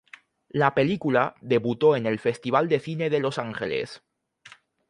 La película debutó en el Festival de cine de Los Ángeles.